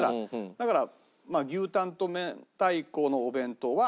だから牛たんと明太子のお弁当は。